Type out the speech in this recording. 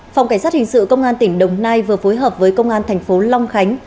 phòng cảnh sát hình sự công an tỉnh đồng nai vừa phối hợp với công an thành phố long khánh